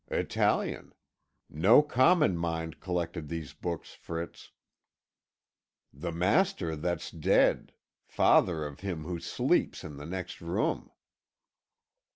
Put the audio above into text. "Italian. No common mind collected these books, Fritz." "The master that's dead father of him who sleeps in the next room."